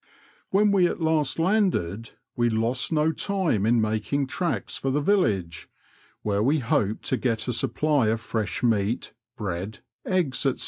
When we at last landed, we lost no time in making tracks for the village, where we hoped to get a supply of fresh meat, bread, eggs, &c.